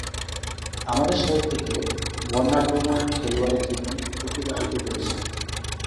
আমাদের সাথে থেকে বর্ণাঢ্যময় খেলোয়াড়ী জীবন অতিবাহিত করেছেন।